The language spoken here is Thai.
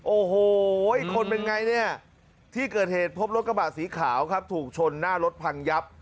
โอ้โหคนเป็นไงเนี่ยที่เกิดเหตุพบรถกระบะสีขาวครับถูกชนหน้ารถพังยับ